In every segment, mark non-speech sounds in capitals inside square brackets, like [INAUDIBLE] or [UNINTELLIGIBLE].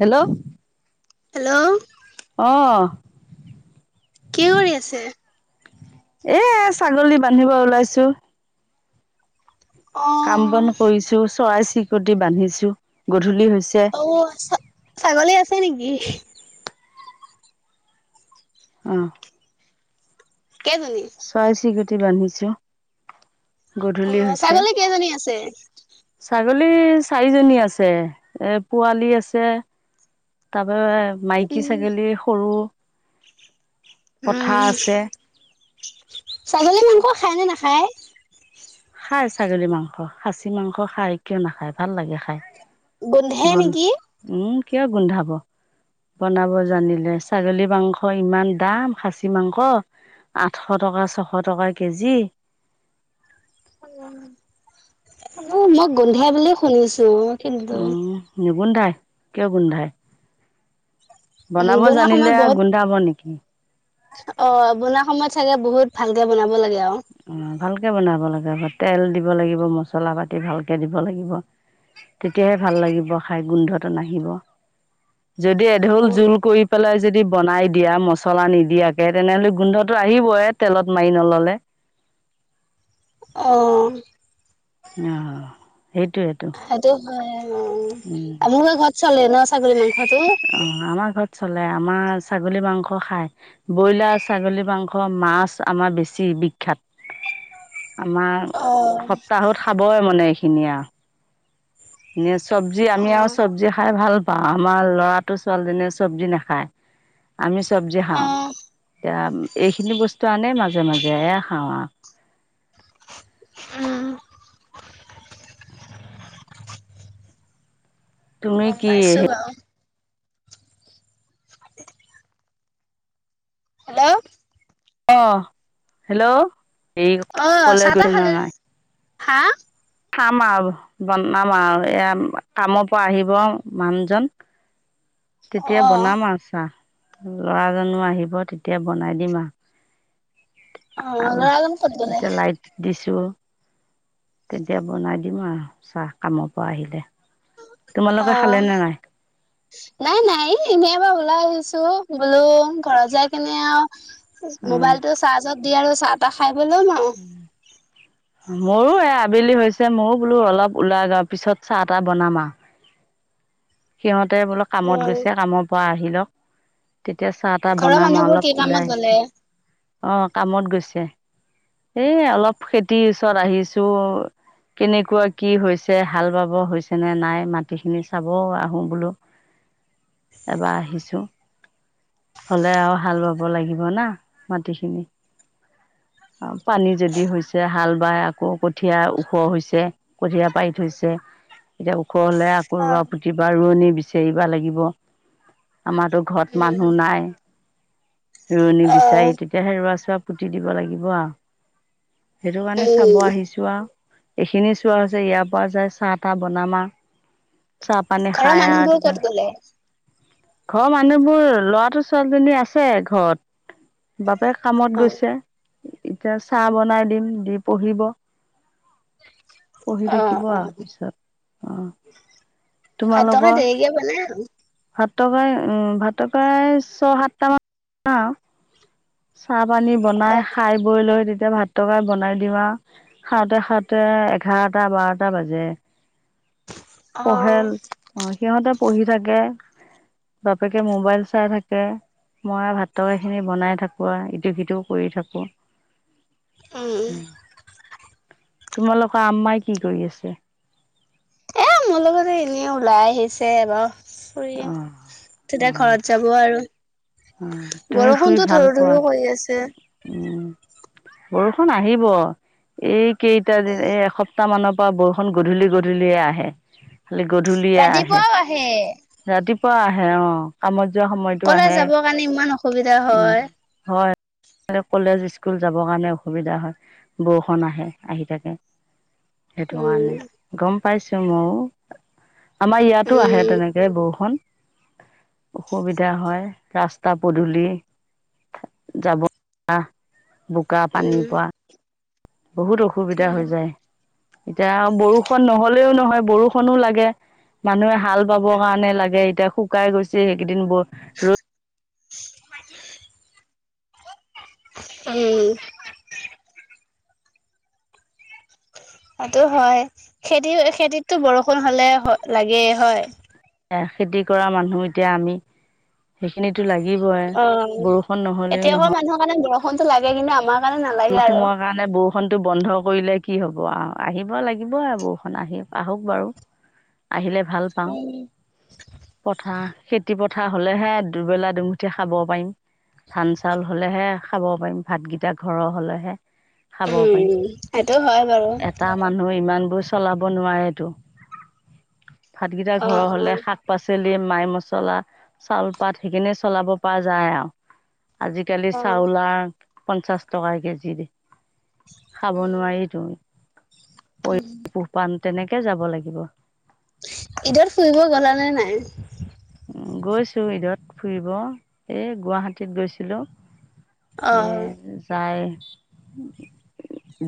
Hello. Hello. অ। কি কৰি আছে? এ ছাগলী বান্ধিব ওলাইছো। অ। কাম বন কৰিছো, চৰাই-চিৰিকতি বান্ধিছো, গধূলি হৈছে। অ ছা ছাগলী আছে নেকি? অ। কেজনী? চৰাই-চিৰিকতি বান্ধিছো, অ, গধূলি হৈছে। ছাগলী কেইজনী আছে? ছাগলী চাৰিজনী আছে, এ পোৱালী আছে। তা পা মাইকী উম, ছাগলী সৰু পঠা উম, আছে। ছাগলী মাংস খায় নে নাখায়? খাই ছাগলী মাংস, খাচী মাংস খায়, কিয় নাখায় ভাল লাগে খাই। গোন্ধে নেকি? উহ, কিয় গোন্ধাব? বনাব জানিলে, ছাগলী মাংসৰ ইমান দাম, খাচী মাংস। আঠশ টকা, ছশ টকা কেজি। হ'লেও মই গোন্ধাই বুলি শুনিছো, কিন্তু নোগোন্ধায়, কিয় গোন্ধায়? উম, বনাব বনোৱা জানিলে সময়ত আও বহুত গোন্ধাব নেকি? অ', বনোৱা সময়ত চাগে বহুত ভালকে বনাব লাগে আৰু। অ', ভালকে বনাব লাগে আকৌ, তেল দিব লাগিব, মচলা পাতি ভালকে দিব লাগিব। তেতিয়াহে ভাল লাগিব খায়, গোন্ধটো নাহিব, যদি এঢোল জোল কৰি পেলাই যদি বনাই দিয়া, মছলা নিদিয়াকে, তেনেহ'লে গোন্ধটো আহিবই, তেলত মাৰি নল'লে। অ' অ', সেইটোৱেইতো। সেইটো হয় অ'। উম। আপোনালোকৰ ঘৰত চলে ন, ছাগলী মাংসটো? অ' আমাৰ ঘৰত চলে, আমাৰ ছাগলী মাংস খায়। ব্ৰইলাৰ, ছাগলী মাংস, মাছ আমাৰ বেছি বিখ্যাত। [INAUDIBLE] আমাৰ, অ', সপ্তাহত খাবই মানে এইখিনি আৰু। এনে চব্জি, আমি আৰু অ', চব্জি খাই ভাল পাও, আমাৰ লৰাটো ছোৱালীজনীয়ে চব্জি নাখায়, আমি চব্জি খাওঁ, অ', এতিয়া, এইখিনি বস্তু আনে মাজে মাজে, এয়া খাওঁ আৰু। উম, তুমি গম কি পাইছো বাৰু। [INAUDIBLE] হেল্ল'। অ', হেল্ল' এই, কলে [UNINTELLIGIBLE] নাই। হাঁ খাম আৰু, বনাম আৰু, এয়া কামৰ পৰা আহিব মানুহজন। তেতিয়া অ বনাম আৰু চাহ, ল'ৰাজনো আহিব, তেতিয়া বনাই দিম আৰু। অ আৰু ল'ৰাজন ক'ত গ'লে এতিয়া লাইট দিছো তেতিয়া বনাই দিম আৰু চাহ কামৰ পৰা আহিলে তোমালোকে অ' খালেনে নাই নাই নাই এনেই এবাৰ ওলাই আহিছো বোলো ঘৰত যাই কেনে আৰু উম, মোবাইলটো চাৰ্জত দি আৰু চাহ তাহ খাই লম আৰু মইও এয়া আবেলি হৈছে ময়ো বোলো অলপ ওলাই যাও পিছত চাহ তাহ বনাম আৰু সিহঁতে বোলো কামত উম গৈছে কামৰ পৰা আহি লওক তেতিয়া চাহ তাহ ঘৰৰ বনাম আৰু মানুহবোৰ কি অলপ ওলাই কামত গ'লে আহিছো অ কামত গৈছে এ অলপ খেতিৰ ওচৰত আহিছো কেনেকুৱা কি হৈছে হাল বাব হৈছে নে নাই মাটিখিনি চাব আও মই বোলো এবাৰ আহিছো হ'লে আৰু হাল বাব লাগিব না মাটি খিনি পানী যদি হৈছে হাল বাই আকৌ কঠীয়া ওখ হৈছে কঠিয়া পাৰি থৈছে এতিয়া ওখ হলেহে আকৌ অ ৰোৱা পুতিম বা ৰোৱনী বিচাৰিবা লাগিব আমাৰতো ঘৰত উম মানুহ নাই ৰোৱণী অ বিচাৰি তেতিয়াহে ৰোৱা চোৱা পুতি দিব লাগিব আৰু সেইটো কাৰণে চাব উম আহিছো আও। এইখিনি চোৱা হৈছে, ইয়াৰ পৰা যায় চাহ তাহ বনাম আ, চাহ পানী ঘৰৰ খায় আ মানুহবোৰ তেতিয়া ক'ত গ'লে ঘৰৰ মানুহবোৰ ল'ৰাটো ছোৱালীজনী আছে ঘৰত। বাপেক কামত অ গৈছে, এতিয়া চাহ বনাই দিম, দি পঢ়িব। পঢ়ি অ থাকিব অ আও পিছত, অ'। ভাতকে তোমালোকৰ। দেৰিকে বনাই আৰু। ভাতটো কায় উম ভাতটো কায় ছয় সাতটামান [UNINTELLIGIBLE] চাহ পানী অ বনাই খাই বৈ লৈ তেতিয়া ভাতটোকে বনাই দিও আও। খাওঁতে, খাওঁতে এঘাৰটা বাৰটা বাজে, পঢ়ে অ', সিহঁতে পঢ়ি থাকে, বাপেকে মোবাইল চাই থাকে। মই আও ভাত টৰকাৰিখিনি বনাই থাকো আ, ইটো সিটোও কৰি থাকো। উম, তোমালোকৰ আম্মাই কি কৰি আছে? এ মোৰ লগতে এনে ওলাই আহিছে বাও, ফুৰি অ অ [UNINTELLIGIBLE] ঘৰত যাব আৰু অ তুমি শুই বৰষুণতো ভাল ধৰো, পোৱা ধৰো হৈ আছে। উম, বৰষুণ আহিব, এই কেইটা দিন এই এসপ তাহ মানৰ পৰা বৰষুণ গধূলি গধূলিয়ে আহে, খালি গধূলিয়ে আহে। ৰাতিপুৱা আহে অ', কামত যোৱা সময়ত কলে যাবৰ কাৰণে ইমান অ উম, হয়। [UNINTELLIGIBLE] কলেজ স্কুল যাবৰ কাৰণে অসুবিধা হয়, বৰষূণ আহে, আহি থাকে। সেইটো উম, কাৰণে, গম পাইছো মওঁ, আমাৰ ইয়াতো আহে উম, তেনে দিয়ে বৰষুণ, অসুবিধা হয়। ৰাস্তা পদূলি, যাব [UNINTELLIGIBLE] বোকা পানী উম, পৱা। বহুত অসুবিধা উম, হৈ যায়। এতিয়া আও বৰষুণ নহ'লেও নহয়, বৰষুণো লাগে। মানুহে হাল বাব কাৰণে লাগে, এতিয়া শুকাই গৈছে এইকেইদিন ব ৰ'দ উম। সেইটোও হয়, খেতি খেতিতটো বৰষুণ হ'লে লাগেই হয়। এ খেতি কৰা মানুহ এতিয়া আমি। সেইখিনিতো লাগিবই, বৰষুণ নহ'লেও নহ [UNINTELLIGIBLE] [UNINTELLIGIBLE] টো লাগে কিন্তু আমাক। [UNINTELLIGIBLE] সোমোৱা কাৰণে বৰষূণটো কৰিলে কি হ'ব আও, আহিব লাগিবই আও বৰষুণ আহি আহক বাৰু। আহিলে ভাল। পাওঁ, উম, পথাৰ খেতি পথাৰ হ'লেহে দুবেলা দুমুঠি খাব পাৰিম। ধান চাউল হ'লেহে খাব পাৰিম, ভাতগিটা ঘৰৰ হ'লেহে। উম, সেইটো হয় বাৰু। তাৰ মানুহ ইমানবোৰ চলাব নোৱাৰেটো, ভাতগিটা ঘৰৰ অ', হ'লে অ', শাক পাচলি মাই মচলা, চাউল পাত সেইখিনিয়ে চলাব পৰা যায় আৰু। আজিকালি অ', চাউল আও পঞ্চাচ টকা কেজি। খাব নোৱাৰিতো, [UNINTELLIGIBLE] পোহপান তেনেকে যাব লাগিব। ঈদত ফুৰিব গ'লা নে নাই। অ', গৈছো ঈদত ফুৰিব, এই গুৱাহাটীত গৈছিলো। অ', উম। তাই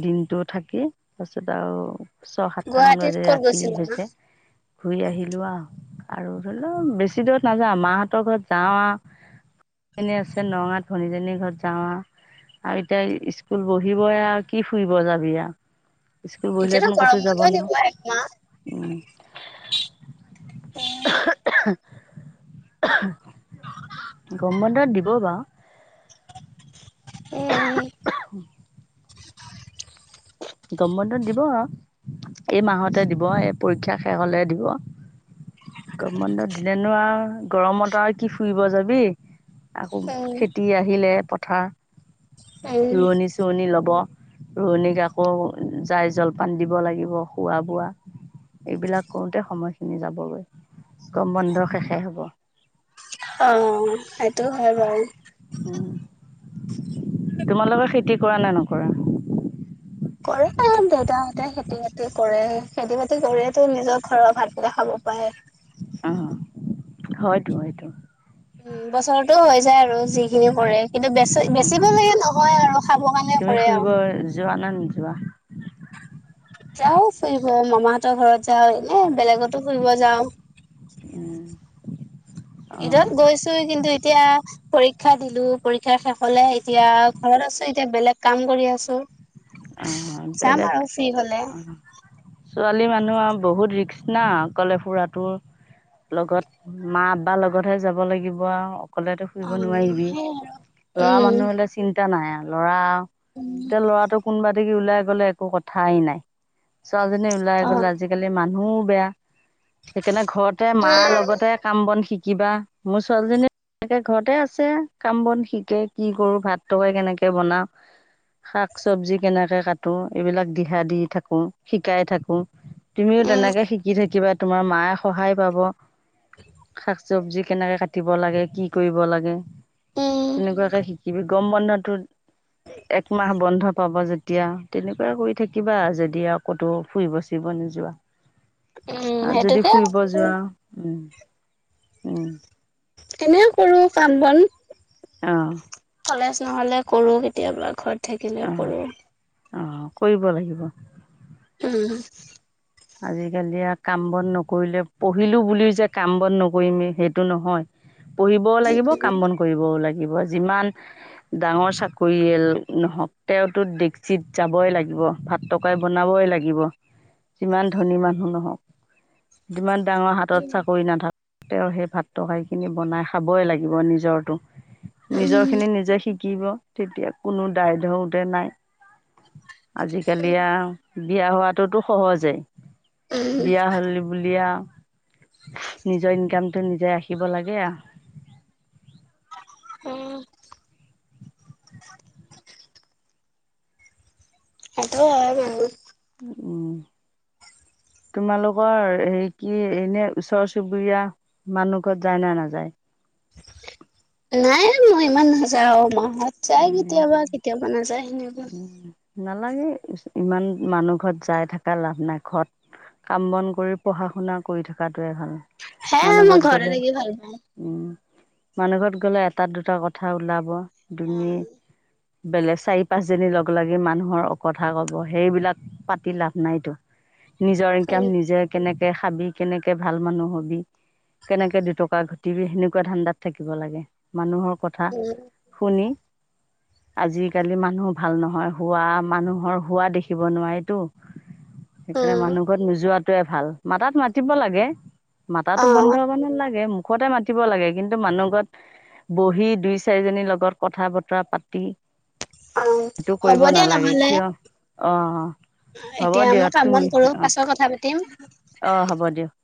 দিনটো থাকেই তাৰপিছত আৰু। ছয় সাতটা মান গুৱাহাটীত বাজি ক'ত ৰাতি গৈছিলা? হৈছে। ঘুৰি আহিলোঁ আৰু ধৰি লওঁ বেছি দূৰত নাযাওঁ মাহঁতৰ ঘৰত যাওঁ আ এনে আছে নগাঁও ভনীজনীৰ ঘৰত যাওঁ আও। আৰু এতিয়া স্কুল বহিবই আৰু কি ফুৰিব যাবি আৰু। স্কুল এতিয়াতো বহিলেত গৰম ক'তও যাব বন্ধ দিব একমাহ। নোৱাৰ। উম। গম বন্ধত দিব বাৰু। উম, [INAUDIBLE] গৰম বন্ধত দিব আৰু। এই মাহতে দিব এই পৰীক্ষা শেষ হলে দিব। গৰম বন্ধত দিলেনো আৰু গৰম বন্ধ আৰু কি ফুৰিব যাবি। আকৌ উম, খেতি আহিলে পথাৰ উম, ৰোৱনি। ৰুৱনী লব ৰুৱনীক আকৌ যাই জলপান দিব লাগিব খোৱ বোৱা। এইবিলাক কৰোতে সময়খিনি যাবগৈ গৰম বন্ধ শেষ হ'ব। অ সেইটো হয় বাৰু। উম তোমালোকৰ খেতি কৰা নে নকৰা? কৰে দেউতাহঁতে খেতি বাতি কৰে খেতি বাতি কৰে তো নিজৰ ঘৰৰ ভাতকেইটা খাব পাৰে। অ হয়তো হয়টো। উম বছৰতো হৈ যায় আৰু যিখিনি কৰে কিন্তু বেচ উম, বেচিব লগীয়া নহয় আৰু খাব কাৰণে তুমি কৰে ফুৰিব আৰু। যোৱা নে নোযোৱা? যাওঁ ফুৰিব মামাহঁতৰ ঘৰত যাওঁ এনে বেলেগতো ফুৰিব যাওঁ। উম। অ', ঈদত গৈছোঁ কিন্তু এতিয়া পৰীক্ষা দিলোঁ পৰীক্ষা শেষ হ'লে এতিয়া ঘৰত আছোঁ এতিয়া বেলেগ কাম কৰি আছোঁ। অ বেলেগ হলে অ। ছোৱালী মানুহৰ আৰু বহুত ৰিক্স না অকলে ফুৰাটো। মাঁ আব্বা লগতহে যাব লাগিব আৰু। অকলেতো ফুৰিব অ, নোৱাৰিবি সেই আৰু ল'ৰা উম, মানুহ হ'লে চিন্তা চিন্তা নাই আৰু ল'ৰা উম, এতিয়া লৰাটো কোনোবা দি ওলাই গ'লে একো কথাই নাই। ছোৱালীজনী ওলাই অ, গ'ল আজিকালি মানুহও বেয়া সেইকাৰণে ঘৰত। ঘৰতে মাৰ উম, লগতে কাম বন শিকিবা মোৰ ছোৱালীজনী এনেকে ঘৰতে আছে কাম বন শিকে কি কৰো ভাত তাৰকাৰি কেনেকে বনাওঁ। শাক চব্জি কেনেকে কাটো এইবিলাক দিহা দি থাকো শিকাই থাকোঁ। তুমিও উম, তেনেকে শিকিবা থাকিবা তোমাৰ মায়ে সহায় পাব। শাক চব্জি কেনেকে কাটিব লাগে কি কৰিব লাগে। উম, তেনেকুৱাকে শিকিবি গমৰৈ বন্ধতটো একমাহ বন্ধত পাব যেতিয়া তেনেকুৱা কৰি থাকিবা যদি আৰু ক'তো ফুৰিব চুৰিব নোযোৱা। উম, আৰু যদি সেইটোকে ফুৰিব যোৱা উম উম। কেনেকে কৰো কাম বন। অ'। কলেজ নহ'লে কৰো কেতিয়াবা ঘৰত অ থাকিলে কৰো। অ', কৰিব লাগিব। উম। আজিকালি আৰু কাম বন নকৰিলে পঢ়িলো বুলিও যে কাম বন নকৰিমেই সেইটো নহয়। পঢ়িবও লাগিব, উম, কাম বন কৰিবও লাগিব যিমান ডাঙৰ চাকৰিয়াল নহক তেওঁতো [UNINTELLIGIBLE] যাবই লাগিবা [UNINTELLIGIBLE] বনাবই লাগিব। যিমান ধনী মানুহ নহওক, যিমান ডাঙৰ হাতত চাকৰি নাথা তেওঁ সেই ভাত তৰকাৰি খিনি বনাই খাবই লাগিব নিজৰটো। নিজৰ উম, খিনি নিজে শিকিব, তেতিয়া কোনো দায় [UNINTELLIGIBLE] নাই। আজিকালি আৰু বিয়া হোৱাতোতো সহজেই, উম, বিয়া হ'লে [UNINTELLIGIBLE] আৰু নিজৰ ইনকামটো নিজে ৰাখিব লাগে আ। উম। [INAUDIBLE] সেইটো হয়। [UNINTELLIGIBLE] উম উম। তোমালোকৰ হেৰি কি এনে ওচৰ চুবুৰীয়া মানুহ ঘৰত যায় না নাযায়। নাই মই ইমান নাযাও [UNINTELLIGIBLE] যায় উম, কেতিয়াবা, কেতিয়াবা নাযায় সেনেকুৱা। উম। নালাগে, ইমান মানুহ ঘৰত যায় থাকা লাভ নাই ঘৰত কাম বন কৰি পঢ়া-শুনা কৰি থাকাটোৱে ভাল, হে মানুহ মই ঘৰত ঘৰতে গলে থাকি ভাল পাওঁ। উম, মানুহ ঘৰত গ'লে এটা দুটা কথা ওলাব দুনী বেলেগ চাৰি পাঁচ জনীৰ লগ লাগি মানুহৰ কথা ক'ব সেইবিলাক পাতি লাভ নাইতো। নিজৰ উম, ইনকাম নিজে কেনেকে খাবি কেনেকে ভাল মানুহ হ'বি। কেনেকে দুটকা ঘটিবি সেনেকুৱা ধান্দাত থাকিব লাগে মানুহৰ কথা উম। শুনি আজিকালি মানুহ ভাল নহয়, হোৱা মানুহৰ হোৱা দেখিব নোৱাৰেতো। সেইকাৰণে উম, মানুহ ঘৰত নোযোৱাটোৱে ভাল, মাতাত মাতিব লাগে। মাতাটো অ', বন্ধ হ'ব নালাগে, মোক সদায় মাতিব লাগে, কিন্তু মানুহ ঘৰত বহি, দুই চাৰিজনীৰ লগত কথা বতৰা পাতি অ', সেইটো হ'ব কৰিব দিয়া নালাগে নহ'লে কিয়, অ'। হ'ব এতিয়া দিয়া মই কাম বন তুমি, কৰো অ'। পাছত কথা পাতিম। অ', হ'ব দিয়ক।